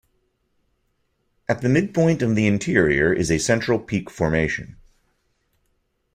At the midpoint of the interior is a central peak formation.